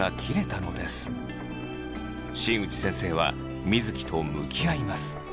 新内先生は水城と向き合います。